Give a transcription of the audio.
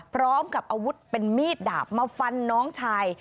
พร้อมกับอาวุธเป็นมีดดาบมาฟันน้องชาย